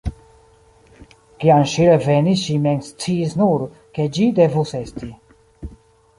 Kiam ŝi revenis, ŝi mem sciis nur, kie ĝi devus esti.